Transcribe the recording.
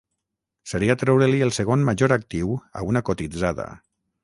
Seria treure-li el seu segon major actiu a una cotitzada